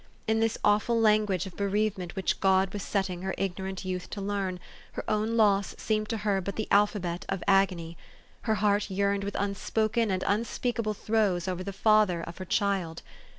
In this awful language of bereavement which God was setting her ignorant youth to learn, her own loss seemed to her but the alphabet of agony. Her heart yearned with un spoken and unspeakable throes over the father of her child.